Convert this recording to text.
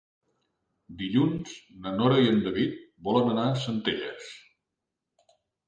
Dilluns na Nora i en David volen anar a Centelles.